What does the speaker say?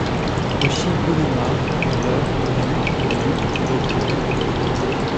Koshi-Guruma est le du du Gokyo.